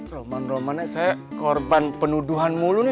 roman romannya saya korban penuduhan mulu nih